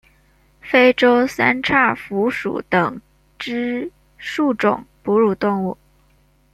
非洲三叉蝠属等之数种哺乳动物。